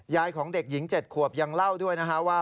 ของเด็กหญิง๗ขวบยังเล่าด้วยนะฮะว่า